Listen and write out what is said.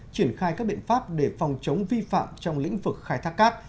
triển khai các biện pháp để phòng chống vi phạm trong lĩnh vực khai thác cát